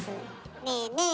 ねえねえ